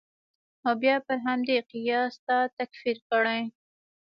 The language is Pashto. او بیا پر همدې قیاس تا تکفیر کړي.